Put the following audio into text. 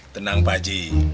tenang pak haji